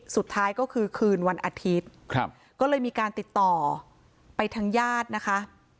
สุดท้ายก็คือคืนวันอาทิตย์ก็เลยมีการติดต่อไปทางญาตินะคะ